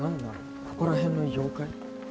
ここら辺の妖怪？